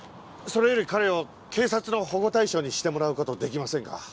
それより彼を警察の保護対象にしてもらうことできませんか？